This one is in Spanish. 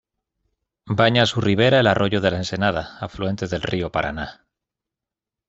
Baña su ribera el arroyo de la Ensenada, afluente del río Paraná.